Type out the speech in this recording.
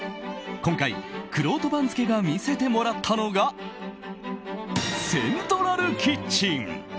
今回、くろうと番付が見せてもらったのがセントラルキッチン。